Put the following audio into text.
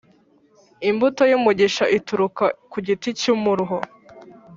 imbuto yumugisha ituruka kugiti cyu umuruho